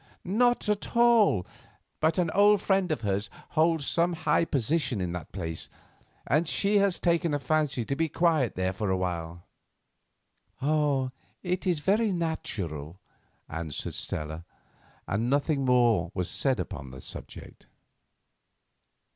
"Not at all, but an old friend of hers holds some high position in the place, and she has taken a fancy to be quiet there for a while." "It is very natural," answered Stella, and nothing more was said upon the subject.